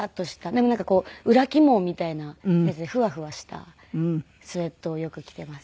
でもなんかこう裏起毛みたいなやつでふわふわしたスウェットをよく着ています。